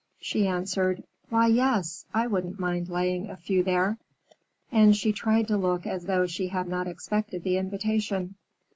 She answered, "Why, yes! I wouldn't mind laying a few there." And she tried to look as though she had not expected the invitation.